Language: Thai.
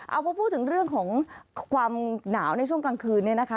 เอาพอพูดถึงเรื่องของความหนาวในช่วงกลางคืนเนี่ยนะคะ